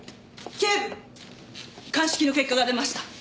警部鑑識の結果が出ました。